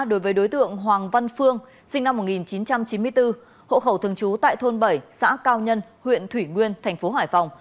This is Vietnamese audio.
đối với đối tượng hoàng văn phương sinh năm một nghìn chín trăm chín mươi bốn hộ khẩu thường trú tại thôn bảy xã cao nhân huyện thủy nguyên thành phố hải phòng